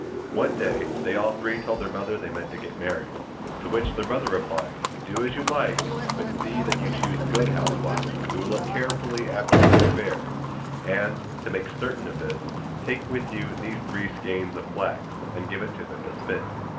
One day they all three told their mother they meant to get married. To which their mother replied: 'Do as you like, but see that you choose good housewives, who will look carefully after your affairs; and, to make certain of this, take with you these three skeins of flax, and give it to them to spin.